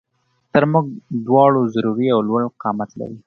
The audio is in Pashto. تر مونږ دواړو ضروري او لوړ قامت لري